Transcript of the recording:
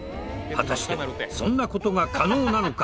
果たしてそんな事が可能なのか？